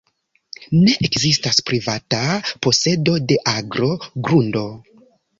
Ne ekzistas privata posedo de agro, grundo.